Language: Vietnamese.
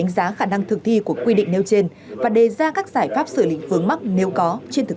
giá khả năng thực thi của quy định nêu trên và đề ra các giải pháp xử lý vướng mắc nếu có trên thực